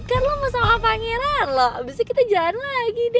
kan lo mau sama pangeran lo abis itu kita jalan lagi deh